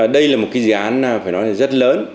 đây là một cái dự án phải nói là rất lớn